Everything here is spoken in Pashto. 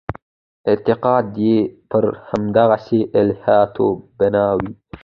اعتقاد یې پر همدغسې الهیاتو بنا وي.